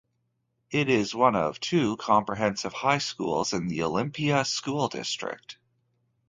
It is one of two comprehensive high schools in the Olympia School District.